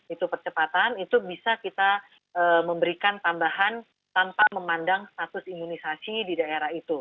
itu percepatan itu bisa kita memberikan tambahan tanpa memandang status imunisasi di daerah itu